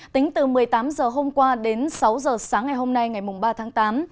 tính từ một mươi tám h hôm qua đến sáu h sáng ngày hôm nay ngày ba tháng tám